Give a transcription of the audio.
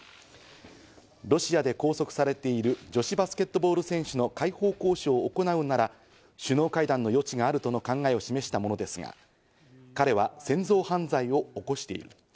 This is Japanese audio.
ロシアで拘束されている女子バスケットボール選手の解放交渉を行うなら首脳会談の余地があるとの考えを示したものですが、彼は戦争犯罪を起こしている。